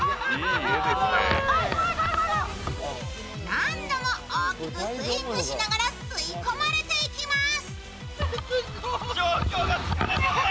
何度も大きくスイングしながら吸い込まれていきます。